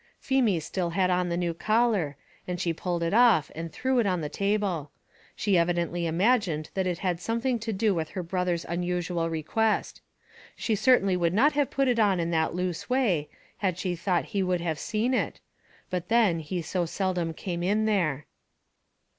Feemy still had on the new collar, and she pulled it off and threw it on the table; she evidently imagined that it had something to do with her brother's unusual request. She certainly would not have put it on in that loose way, had she thought he would have seen it; but then he so seldom came in there.